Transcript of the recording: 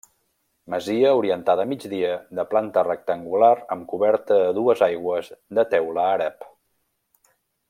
Masia orientada a migdia de planta rectangular amb coberta a dues aigües de teula àrab.